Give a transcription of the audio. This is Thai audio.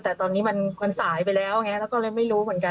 แต่ตอนนี้มันสายไปแล้วไงแล้วก็เลยไม่รู้เหมือนกัน